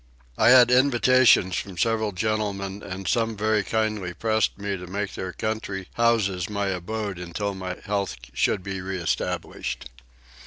I had invitations from several gentlemen and some very kindly pressed me to make their country houses my abode till my health should be reestablished.